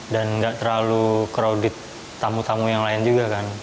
dan nggak terlalu crowded tamu tamu yang lain juga kan